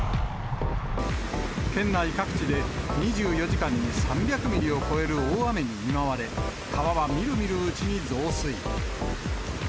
県内各地で、２４時間に３００ミリを超える大雨に見舞われ、川はみるみるうちに増水。